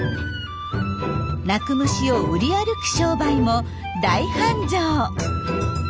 鳴く虫を売り歩く商売も大繁盛。